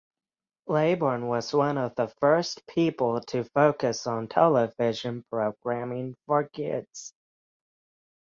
Laybourne was one of the first people to focus on television programming for kids.